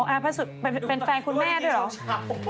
อ๋ออาธพระสุรเป็นแฟนคนแม่ด้วยหรอ